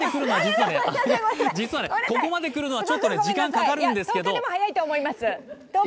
ここまでくるのは実はちょっと時間かかるんですけど。